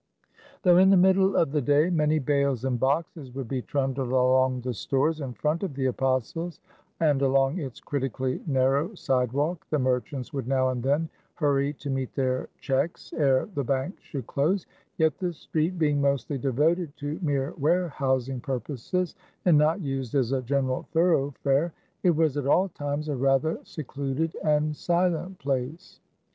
Though in the middle of the day many bales and boxes would be trundled along the stores in front of the Apostles'; and along its critically narrow sidewalk, the merchants would now and then hurry to meet their checks ere the banks should close: yet the street, being mostly devoted to mere warehousing purposes, and not used as a general thoroughfare, it was at all times a rather secluded and silent place.